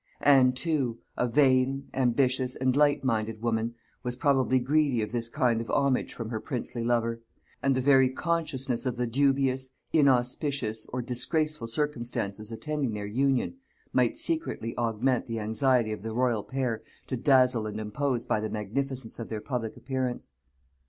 Anne, too, a vain, ambitious, and light minded woman, was probably greedy of this kind of homage from her princely lover; and the very consciousness of the dubious, inauspicious, or disgraceful circumstances attending their union, might secretly augment the anxiety of the royal pair to dazzle and impose by the magnificence of their public appearance.